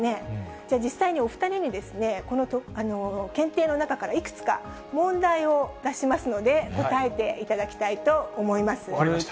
じゃあ、実際にお２人に、この検定の中からいくつか問題を出しますので、答えていただきた分かりました。